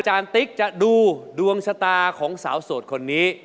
จารติ๊กจะดูดวงสตาของสาวสวดคนนี้